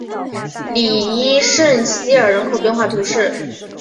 里伊圣西尔人口变化图示